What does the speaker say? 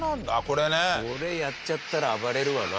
これやっちゃったら暴れるわな。